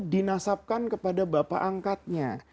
dinasabkan kepada bapak angkatnya